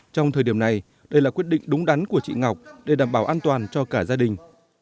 trong thời điểm này đây là quyết định đúng đắn của chị ngọc để đảm bảo an toàn cho cả gia đình